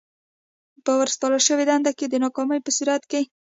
په ورسپارل شوې دنده کې د ناکامۍ په صورت کې.